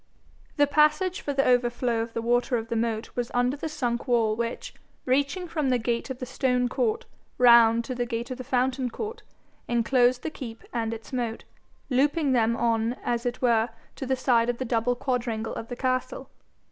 The passage for the overflow of the water of the moat was under the sunk walk which, reaching from the gate of the stone court round to the gate of the fountain court, enclosed the keep and its moat, looping them on as it were to the side of the double quadrangle of the castle.